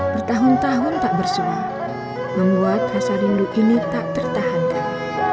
bertahun tahun tak bersuah membuat rasa rindu ini tak tertahankan